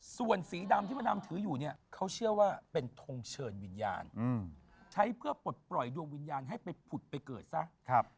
ส่วนสีดำที่มาดำถืออยู่เนี่ยเขาเชื่อว่าเป็นทงเชิญวิญญาณใช้เพื่อปลดปล่อยดวงวิญญาณให้ไปผุดไปเกิดซะ